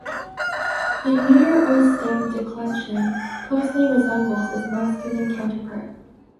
The neuter o-stem declension closely resembles its masculine counterpart.